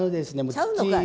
ちゃうのかい！